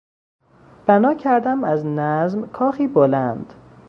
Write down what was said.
بنا کردم از نظم کاخی بلند...